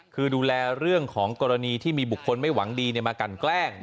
คือดูแลเรื่องของกรณีที่มีบุคคลไม่หวังดีมากันแกล้ง